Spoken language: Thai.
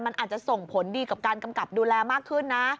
มันอาจจะส่งผลดีกับการกำกับดูแลมากขึ้นนะ